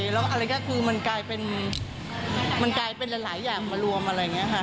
แล้วอะไรก็คือมันกลายเป็นหลายอย่างมารวมอะไรอย่างนี้ค่ะ